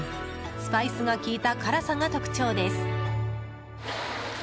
スパイスが効いた辛さが特徴です。